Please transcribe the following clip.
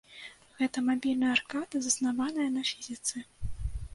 Гэта мабільная аркада заснаваная на фізіцы.